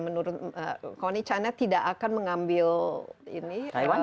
menurut kony china tidak akan mengambil ini